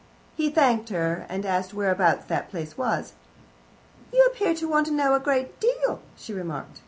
He thanked her, and asked whereabouts that place was. "You appear to want to know a good deal," she remarked.